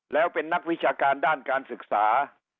แล้วเป็นนักวิชาการด้านการศึกษา